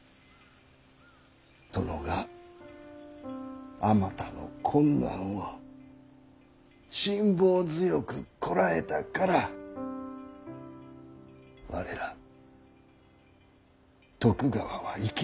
殿があまたの困難を辛抱強くこらえたから我ら徳川は生き延びられたのです。